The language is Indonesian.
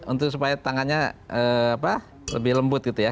untuk supaya tangannya lebih lembut gitu ya